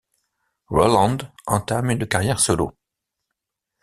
Rowland entame une carrière solo.